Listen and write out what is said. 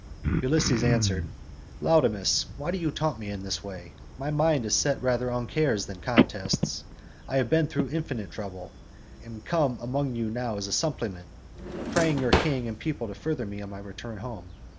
Ulysses answered, "Laodamas, why do you taunt me in this way? my mind is set rather on cares than contests; I have been through infinite trouble, and am come among you now as a suppliant, praying your king and people to further me on my return home."